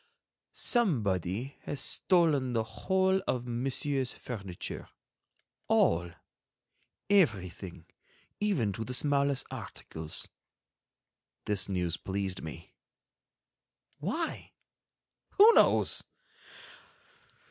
"Somebody has stolen the whole of Monsieur's furniture, all, everything, even to the smallest articles." This news pleased me. Why? Who knows?